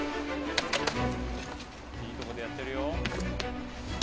いいとこでやってるよ。